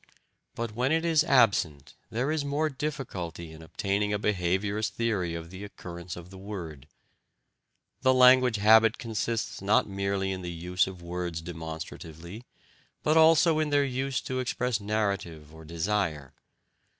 But when it is absent there is more difficulty in obtaining a behaviourist theory of the occurrence of the word. The language habit consists not merely in the use of words demonstratively, but also in their use to express narrative or desire.